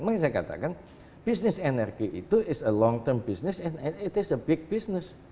makanya saya katakan bisnis energi itu is a long term business and it is a big business